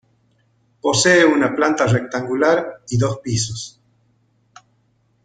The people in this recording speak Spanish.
Posee una planta rectangular y dos pisos.